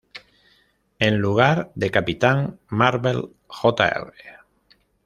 En lugar de Capitán Marvel Jr.